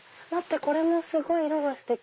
これもすごい色がステキ！